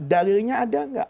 dalilnya ada atau tidak